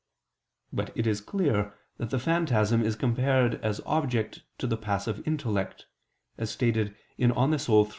But it is clear that the phantasm is compared as object to the passive intellect (De Anima iii, text.